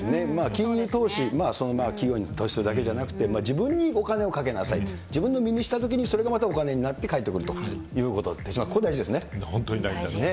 金融投資、その企業に投資するだけじゃなくて、自分にお金をかけなさい、自分の身についたときにそれがまたお金になって帰ってくる、本当に大事ですね。